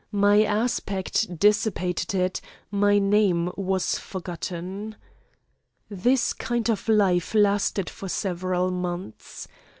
My aspect dissipated it: my name was forgotten. "This kind of life lasted for several months.